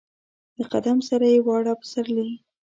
د قدم سره یې واړه پسرلي